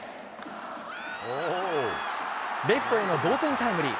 レフトへの同点タイムリー。